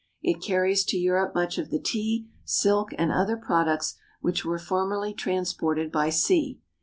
It carries to Europe much of the tea, silk, and other products which were formerly transported by sea.